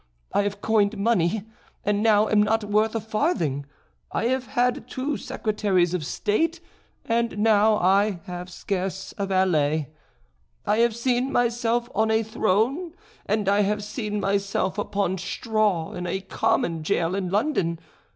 I have coined money, and now am not worth a farthing; I have had two secretaries of state, and now I have scarce a valet; I have seen myself on a throne, and I have seen myself upon straw in a common jail in London.